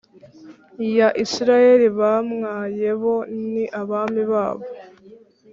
Ya isirayeli bamwaye bo n abami babo